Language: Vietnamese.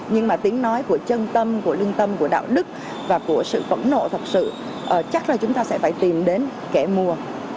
nhưng mà tiếng nói của chân tâm của lương tâm của đạo đức và của sự khổng nộ thật sự chắc là chúng ta sẽ phải tìm đến kẻ mua